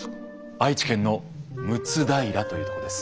愛知県の睦平というとこです。